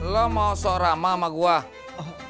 lo mau seorang amat